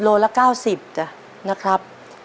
โลละ๙๐จ้ะนะครับ